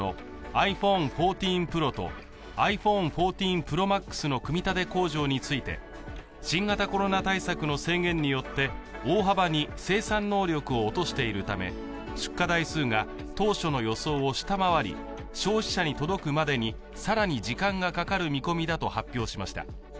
アップルは６日、中国・河南省のｉＰｈｏｎｅ１４ＰｒｏとｉＰｈｏｎｅ１４ＰｒｏＭａｘの組み立て工場について新型コロナ対策の制限によって大幅に生産能力を落としているため出荷台数が当初の予想を下回り、消費者に届くまでに更に時間がかかる見込みだと発表しました。